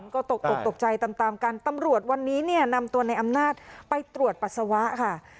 ก็ตกอกตกใจตามตามกันตำรวจวันนี้เนี่ยนำตัวในอำนาจไปตรวจปัสสาวะค่ะ